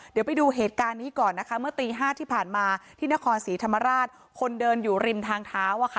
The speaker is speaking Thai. เดี๋ยวไปดูเหตุการณ์นี้ก่อนนะคะเมื่อตี๕ที่ผ่านมาที่นครศรีธรรมราชคนเดินอยู่ริมทางเท้า